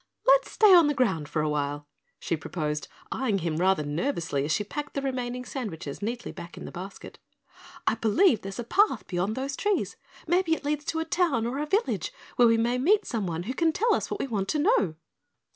"Let's stay on the ground for awhile," she proposed, eyeing him rather nervously as she packed the remaining sandwiches neatly back in the basket. "I believe there's a path beyond those trees. Maybe it leads to a town or village where we may meet someone who can tell us what we want to know."